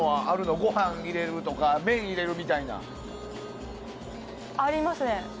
ご飯を入れるとか麺を入れるみたいな。ありますね。